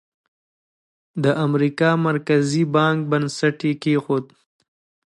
د امریکا مرکزي بانک بنسټ یې کېښود.